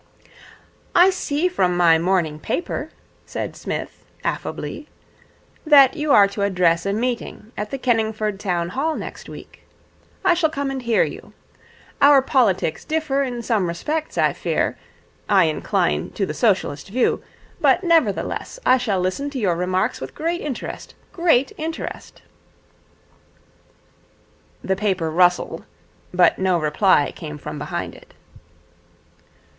'I see from my morning paper,' said Psmith, affably, 'that you are to address a meeting at the Kenningford Town Hall next week. I shall come and hear you. Our politics differ in some respects, I fear I incline to the Socialist view but nevertheless I shall listen to your remarks with great interest, great interest.' The paper rustled, but no reply came from behind it.